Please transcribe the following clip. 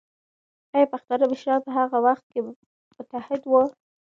ایا پښتانه مشران په هغه وخت کې متحد وو؟